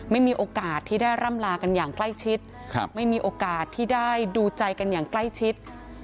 ไม่มีโอกาสที่ได้ร่ำลากันอย่างใกล้ชิดไม่มีโอกาสที่ได้ดูใจกันอย่างใกล้ชิด